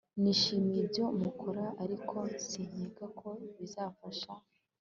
Nishimiye ibyo mukora ariko sinkeka ko bizafasha